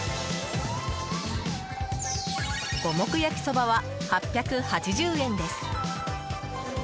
五目焼きそばは８８０円です。